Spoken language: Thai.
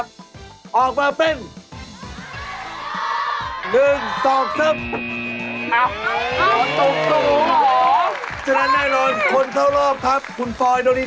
ก็สุภาษาสหนักศึกษ์สี่